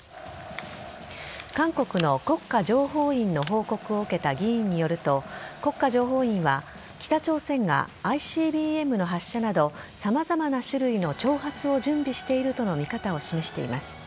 韓国の国家情報院の報告を受けた議員によると国家情報院は北朝鮮がＩＣＢＭの発射など様々な種類の挑発を準備しているとの見方を示しています。